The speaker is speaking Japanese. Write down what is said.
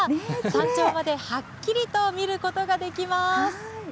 山頂まではっきりと見ることができます。